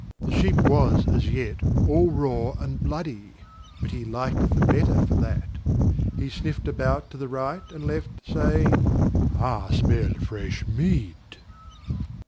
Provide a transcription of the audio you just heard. The sheep was as yet all raw and bloody; but he liked it the better for that. He sniffed about to the right and left, saying, "I smell fresh meat."